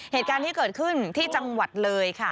เหตุการณ์ที่เกิดขึ้นที่จังหวัดเลยค่ะ